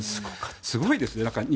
すごいですね。